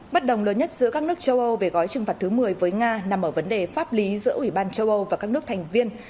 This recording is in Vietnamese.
bất đồng lớn nhất giữa các nước châu âu về gói trừng phạt thứ một mươi với nga nằm ở vấn đề pháp lý giữa ủy ban châu âu và các nước thành viên